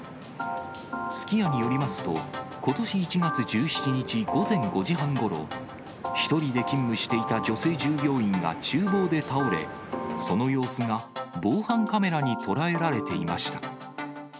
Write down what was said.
すき家によりますと、ことし１月１７日午前５時半ごろ、１人で勤務していた女性従業員がちゅう房で倒れ、その様子が防犯カメラに捉えられていました。